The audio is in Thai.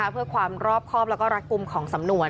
เพื่อความรอบครอบแล้วก็รักกลุ่มของสำนวน